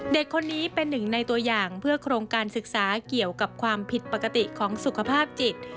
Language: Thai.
เด็กคนนี้เป็นหนึ่งในตัวอย่างเพื่อโครงการศึกษาเกี่ยวกับความผิดปกติของสุขภาพจิต